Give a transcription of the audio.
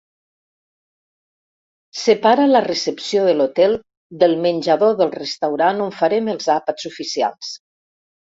Separa la recepció de l'hotel del menjador del restaurant on farem els àpats oficials.